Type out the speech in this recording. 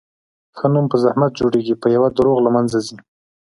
ښه نوم په زحمت جوړېږي، په یوه دروغ له منځه ځي.